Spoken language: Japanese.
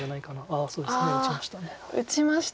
ああそうですね打ちました。